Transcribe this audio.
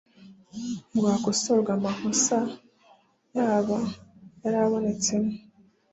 ngo hakosorwe amakosa yaba yarabonetsemo